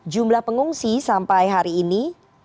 jumlah pengungsi sampai hari ini